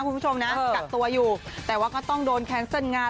คุณผู้ชมนะกักตัวอยู่แต่ว่าก็ต้องโดนแคนเซิลงาน